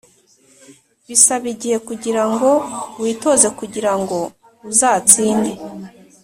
Bisaba igihe kugira ngo witoze kugira ngo uzatsinde